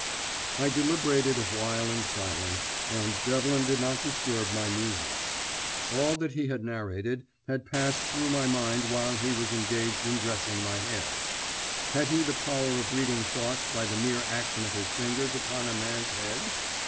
I deliberated awhile in silence, and Devlin did not disturb my musings. All that he had narrated had passed through my mind while he was engaged in dressing my hair. Had he the power of reading thoughts by the mere action of his fingers upon a man's head?